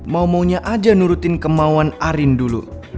mau maunya aja nurutin kemauan arin dulu